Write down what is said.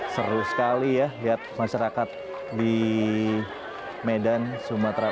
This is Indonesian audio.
seru sekali ya lihat masyarakat di medan sumatera